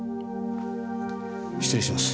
失礼します。